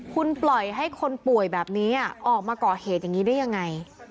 คุณปล่อยให้คนป่วยแบบนี้ออกมาก่อเหตุอย่างนี้ได้ยังไง